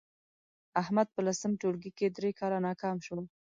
احمد په لسم ټولگي کې درې کاله ناکام شو